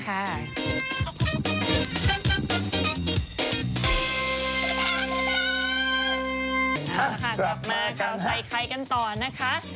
กลับมากับใส่ใครกันต่อนะคะ